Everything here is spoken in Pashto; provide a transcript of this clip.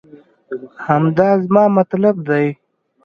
همدا زما مطلب دی